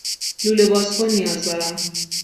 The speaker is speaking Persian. لوله بازکن نیاز دارم.